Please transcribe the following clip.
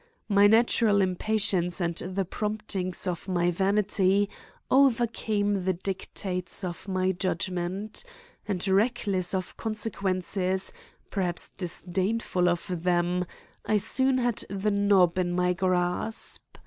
My natural impatience and the promptings of my vanity overcame the dictates of my judgment, and, reckless of consequences, perhaps disdainful of them, I soon had the knob in my grasp.